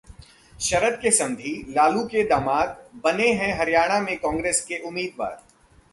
शरद के समधी, लालू के दामाद बने हैं हरियाणा में कांग्रेस के उम्मीदवार